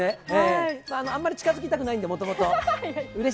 あんまり近づきたくないんで、もともと。